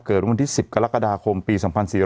เกิดบริ์นที่๑๐กรกฎาคมปี๒๔๗๙